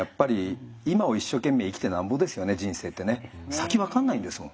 先分かんないんですもん。